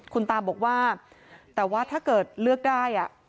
คุณตาบอกว่าแต่ว่าถ้าเกิดเลือกได้